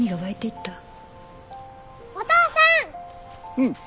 うん。